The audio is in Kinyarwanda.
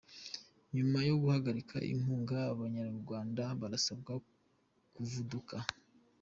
Nyuma yo guhagarika inkunga, Abanyarwanda barasabwa kuvuduka.